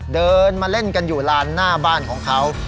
เดินมาเล่นกันอยู่ลานหน้าบ้านของเขา